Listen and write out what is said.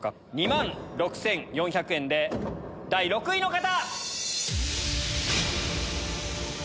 ２万６４００円で第６位の方！